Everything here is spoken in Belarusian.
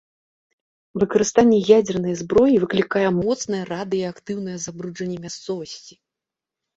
Выкарыстанне ядзернай зброі выклікае моцнае радыеактыўнае забруджанне мясцовасці.